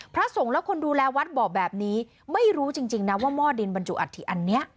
พระสงฆ์และคนดูแลวัดบอกแบบนี้ไม่รู้จริงนะว่าหม้อดินบรรจุอัฐิอันนี้